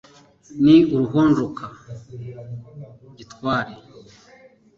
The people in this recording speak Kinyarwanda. Ni ruhonjoka gitware